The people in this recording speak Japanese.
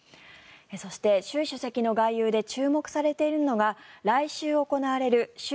そして、習主席の外遊で注目されているのが来週行われる習